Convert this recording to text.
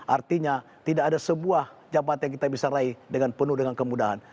artinya tidak ada sebuah jabatan yang kita bisa raih dengan penuh dengan kemudahan